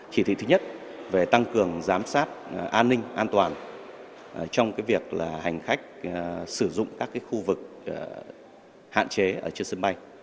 chỉ thị thứ nhất về tăng cường giám sát an ninh an toàn trong việc hành khách sử dụng các khu vực hạn chế ở trên sân bay